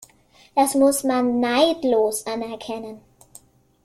Das muss man neidlos anerkennen.